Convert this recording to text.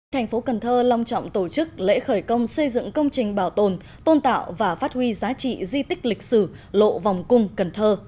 thành phố cần thơ long trọng tổ chức lễ khởi công xây dựng công trình bảo tồn tôn tạo và phát huy giá trị di tích lịch sử lộ vòng cung cần thơ